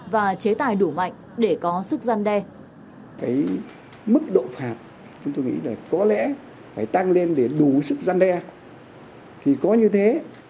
và chế tài đủ mạnh để có sức gian đe